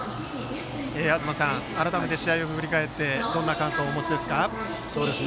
東さん、改めて試合を振り返ってどんな感想をお持ちですか。